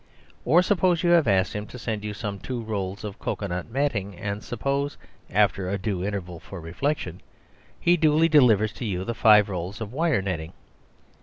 Or, supposing you have asked him to send you some two rolls of cocoa nut matting: and supposing (after a due interval for reflection) he duly delivers to you the five rolls of wire netting.